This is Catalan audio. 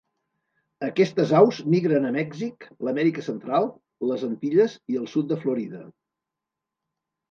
Aquestes aus migren a Mèxic, l'Amèrica Central, les Antilles i el sud de Florida.